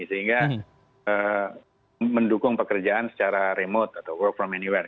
sehingga mendukung pekerjaan secara remote atau work from anywhere